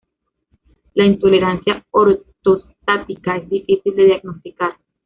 La intolerancia ortostática es difícil de diagnosticar.